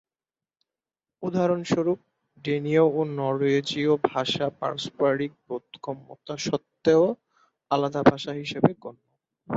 উদাহরণস্বরূপ, ডেনীয় ও নরওয়েজীয় ভাষা পারস্পারিক বোধগম্যতা সত্ত্বেও আলাদা ভাষা হিসেবে গণ্য।